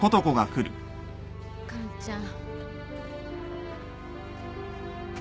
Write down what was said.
完ちゃん。